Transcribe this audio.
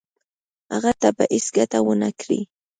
هغه ته به هیڅ ګټه ونه کړي.